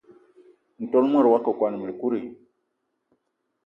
Ntol mot wakokóm ekut i?